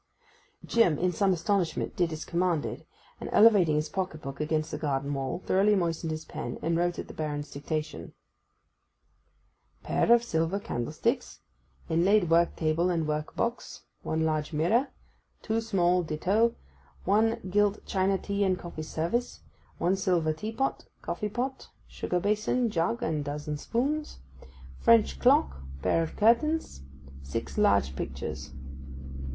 Jim in some astonishment did as commanded, and elevating his pocket book against the garden wall, thoroughly moistened his pencil, and wrote at the Baron's dictation: 'Pair of silver candlesticks: inlaid work table and work box: one large mirror: two small ditto: one gilt china tea and coffee service: one silver tea pot, coffee pot, sugar basin, jug, and dozen spoons: French clock: pair of curtains: six large pictures.